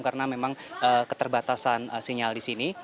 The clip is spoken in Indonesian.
karena memang keterbatasan sinyal di sini